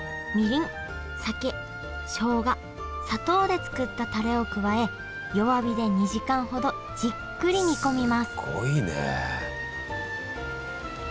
酒しょうが砂糖で作ったタレを加え弱火で２時間ほどじっくり煮込みます